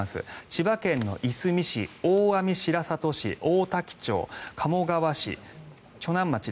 千葉県のいすみ市、大網白里市大滝町、鴨川市、鋸南町。